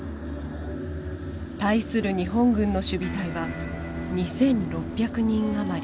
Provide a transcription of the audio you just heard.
対する日本軍の守備隊は２，６００人余り。